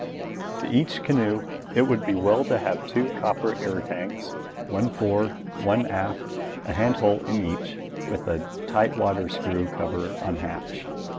To each canoe it would be well to have two copper air tanks, one fore, one aft, a hand hole in each with a water tight screw cover on hatch.